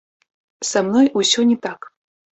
Са мной усё не так.